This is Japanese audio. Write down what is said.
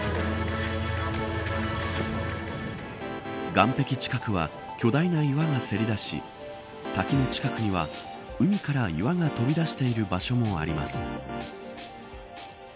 岸壁近くは、巨大な岩がせり出し滝の近くには、海から岩が飛び出している場所もあります。